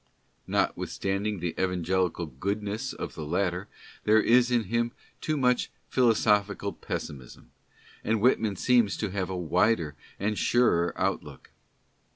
Notwithstanding the evangelical goodness of the latter, there is in him too much philosophical pessimism, and Whitman seems to have a wider and surer outlook.